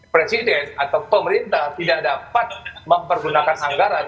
presiden atau pemerintah tidak dapat mempergunakan anggaran